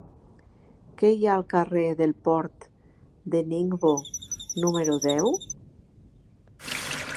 Què hi ha al carrer del Port de Ningbo número deu?